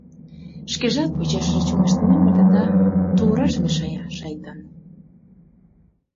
Шкежат почешыже чоҥештынем ыле да... тувраш мешая, шайтан.